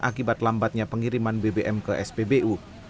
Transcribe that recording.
akibat lambatnya pengiriman bbm ke spbu